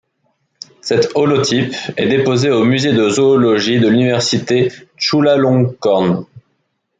Cet holotype est déposé au musée de zoologie de l'université Chulalongkorn.